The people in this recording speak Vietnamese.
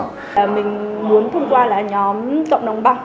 mình muốn thông qua là nhóm cộng đồng bọc